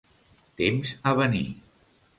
Temps a venir.